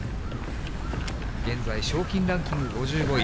現在、賞金ランキング５５位。